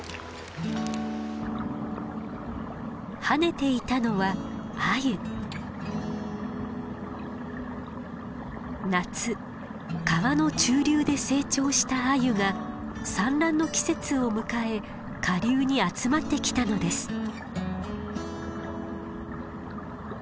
跳ねていたのは夏川の中流で成長したアユが産卵の季節を迎え下流に集まってきたのです。